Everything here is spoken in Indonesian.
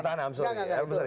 petahana i'm sorry